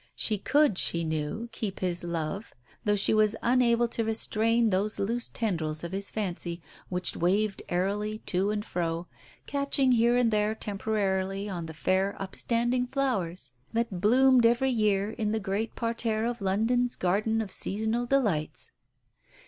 She could, she knew, keep his love, though she was unable to restrain those loose tendrils of his fancy which waved airily to and fro, catching here and there temporarily on the fair up standing flowers that bloomed every year in the great parterre of London's garden of seasonal delights.